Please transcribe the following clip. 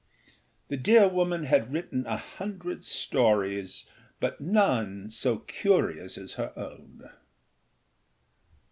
â The dear woman had written a hundred stories, but none so curious as her own.